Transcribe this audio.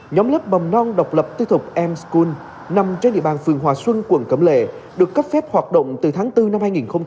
nhóm lớp mầm non độc lập tư thụp m school nằm trên địa bàn phường hòa xuân quận cẩm lệ được cấp phép hoạt động từ tháng bốn năm hai nghìn hai mươi hai